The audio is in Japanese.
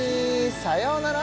さようなら